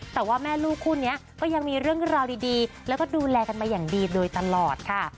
แต่ว่าแม่ลูกคู่นี้ก็ยังมีเรื่องราวดีแล้วก็ดูแลกันมาอย่างดีโดยตลอดค่ะ